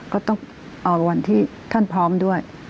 ก็ต้องเอาวันที่ท่านพร้อมด้วย